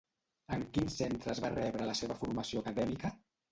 En quins centres va rebre la seva formació acadèmica?